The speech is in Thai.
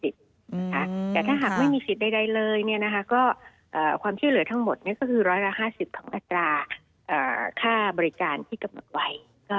แต่ถ้าหากไม่มีสิทธิ์ใดเลยความชื่อเหลือทั้งหมดก็คือร้อยละ๕๐ของกฎาค่าบริจารณ์ที่กำหนดไว